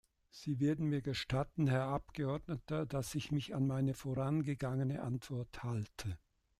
Sie werden mir gestatten, Herr Abgeordneter, dass ich mich an meine vorangegangene Antwort halte.